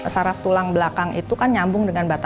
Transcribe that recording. saraf tulang belakang itu kan nyambung dengan batang otak